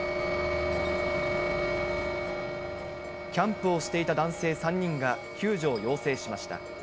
キャンプをしていた男性３人が救助を要請しました。